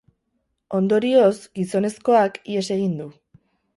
Ondorioz, gizonezkoak ihes egin du.